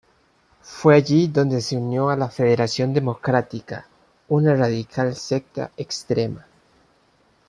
Fue allí donde se unió a la Federación Democrática, una radical secta extrema.